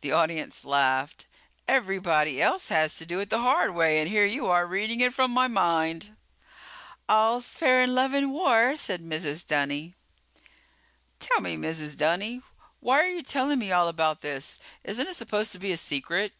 The audience laughed. "Everybody else has to do it the hard way and here you are reading it from my mind." "All's fair in love and war," said Mrs. Dunny. "Tell me, Mrs. Dunny. Why are you telling me about all this? Isn't it supposed to be a secret?"